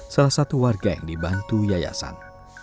salah satu warga yang dibantu yayasan